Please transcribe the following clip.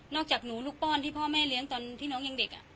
จากหนูลูกป้อนที่พ่อแม่เลี้ยงตอนที่น้องยังเด็ก